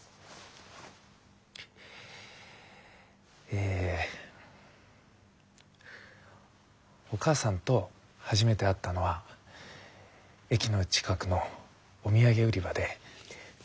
えお母さんと初めて会ったのは駅の近くのお土産売り場で。